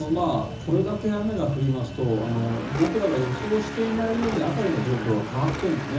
これだけ雨が降りますと僕らが予想していないように辺りの状況が変わっているんですね。